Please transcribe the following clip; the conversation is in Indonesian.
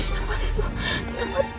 di tempat itu dia bilang